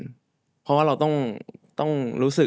เพราะว่าเราต้องรู้สึก